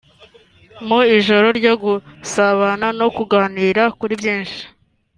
mu ijoro ryo gusabana no kuganira kuri byinshi